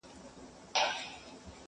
مسافر بیرته کږو لارو ته سم سو,